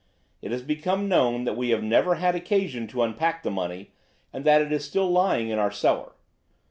It has become known that we have never had occasion to unpack the money, and that it is still lying in our cellar.